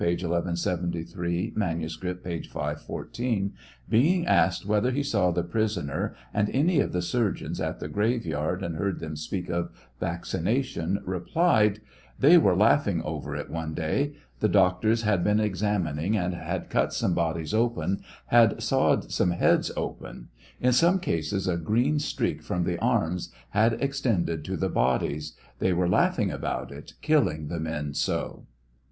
1173; manuscript, p. 514,) being asked whether he saw the prisoner and any of the surgeons at the graveyard and heard them speak of vaccination, replied : They were laughing over it one day ; the doctors had been examining and had cut some bodies open, had sawod some heads open; in some cases a green streak from the arms had extended to the bodies ; they were laughing about it killing the men so.